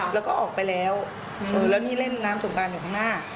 แล้วก็ออกไปแล้วแล้วนี่เล่นน้ำสงการอยู่ข้างหน้า